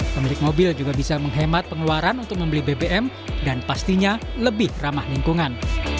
pemilik mobil juga bisa menghemat pengeluaran untuk membeli bbm dan pastinya lebih ramah lingkungan